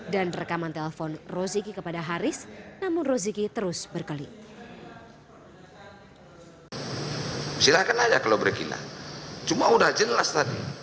dan rekaman telepon roziki kepada haris namun roziki terus berkelit